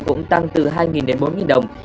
cũng tăng từ hai bốn đồng